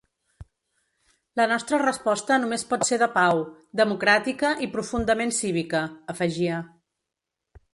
La nostra resposta només pot ser de pau, democràtica i profundament cívica, afegia.